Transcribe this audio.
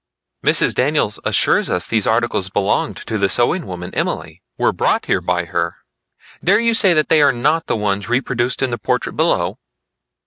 "Mrs. Daniels assures us these articles belonged to the sewing woman Emily; were brought here by her. Dare you say they are not the ones reproduced in the portrait below?"